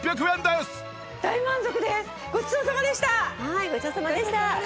はいごちそうさまでした。